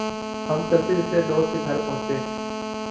ہم چلتے چلتے دوست کے گھر پہنچے ۔